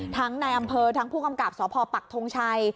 ในอำเภอทั้งผู้กำกับสพปักทงชัย